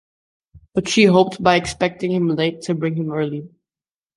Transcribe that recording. But she hoped, by expecting him late, to bring him early.